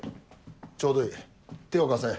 ちょうどいい手を貸せ。